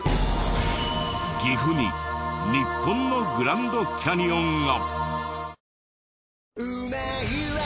岐阜に日本のグランドキャニオンが！？